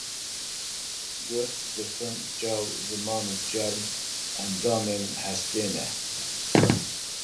Guh, difin, çav, ziman û çerm endamên hestê ne.